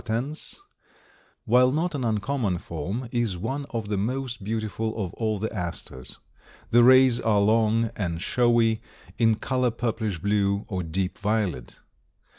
] The Late Purple Aster (Aster patens) while not an uncommon form, is one of the most beautiful of all the Asters. The rays are long and showy, in color purplish blue or deep violet.